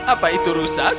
apa itu rusak